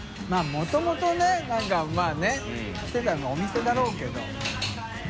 もともとねなんかまぁね来てたお店だろうけど。